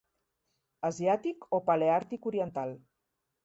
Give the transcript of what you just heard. Asiàtic o Paleàrtic oriental.